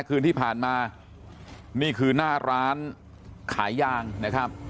คืนที่ผ่านมานี่คือหน้าร้านขายยางนะครับ